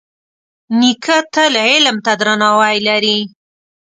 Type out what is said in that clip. نیکه تل علم ته درناوی لري.